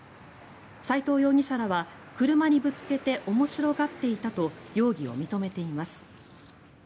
斉藤容疑者らは車にぶつけて面白がっていたと容疑を認めています。